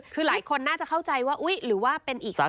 คือหลายคนน่าจะเข้าใจว่าอุ๊ยหรือว่าเป็นอีก